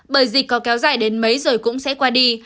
bởi dịch có kéo dài đến mấy rồi cũng sẽ qua đi